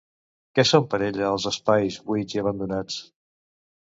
Què són per ella els espais buits i abandonats?